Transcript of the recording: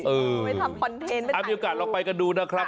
เออเอาเป็นโอกาสลองไปกันดูนะครับ